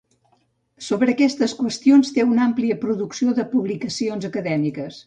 Sobre aquestes qüestions té una àmplia producció de publicacions acadèmiques.